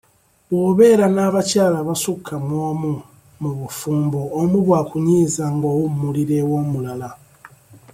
Bw'obeera n'abakyala abassuka mu omu mu bufumbo omu bw'akunyiiza ng'owummulira ew'omulala.